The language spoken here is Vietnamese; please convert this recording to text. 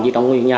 đi trong cái nhà